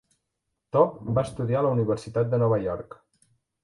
Taub va estudiar a la Universitat de Nova York.